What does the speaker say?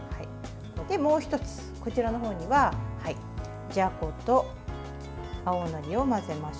もう１つ、こちらの方にはじゃこと青のりを混ぜましょう。